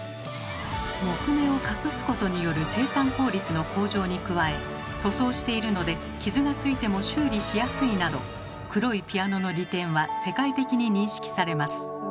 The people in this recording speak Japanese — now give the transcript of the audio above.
木目を隠すことによる生産効率の向上に加え塗装しているので傷がついても修理しやすいなど黒いピアノの利点は世界的に認識されます。